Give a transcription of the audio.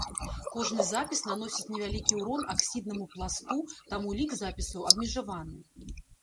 Кожны запіс наносіць невялікі ўрон аксіднаму пласту, таму лік запісаў абмежаваны.